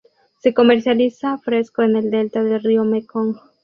Se comercializa fresco en el delta del río Mekong.